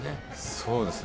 そうですね。